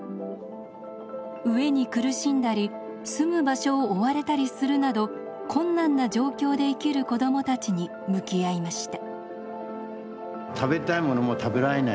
飢えに苦しんだり住む場所を追われたりするなど困難な状況で生きる子どもたちに向き合いました。